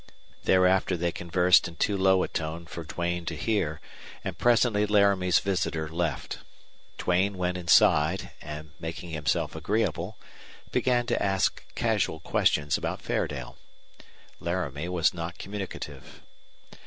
Thereafter they conversed in too low a tone for Duane to hear, and presently Laramie's visitor left. Duane went inside, and, making himself agreeable, began to ask casual questions about Fairdale. Laramie was not communicative.